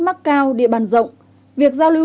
mắc cao địa bàn rộng việc giao lưu